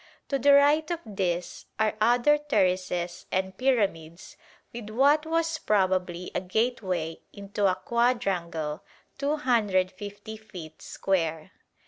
To the right of this are other terraces and pyramids with what was probably a gateway into a quadrangle 250 feet square.